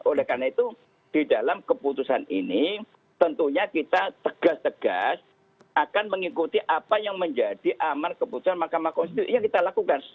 oleh karena itu di dalam keputusan ini tentunya kita tegas tegas akan mengikuti apa yang menjadi amar keputusan mahkamah konstitusi yang kita lakukan